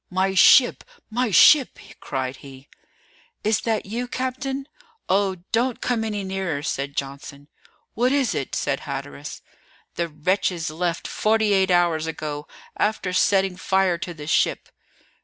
"My ship! My ship!" cried he. "Is that you, captain? Oh, don't come any nearer," said Johnson. "What is it?" said Hatteras. "The wretches left forty eight hours ago, after setting fire to the ship."